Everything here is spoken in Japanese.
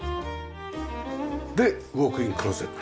でウォークイン・クローゼット。